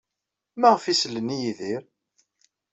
Maɣef ay sellen i Yidir?